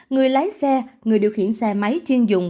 người lái xe người điều khiển xe máy chuyên dụng